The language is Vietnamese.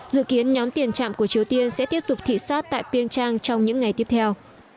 dự kiến nhóm tiền trạm của triều tiên sẽ tiếp tục thị xát tại biên trang trong những ngày tiếp theo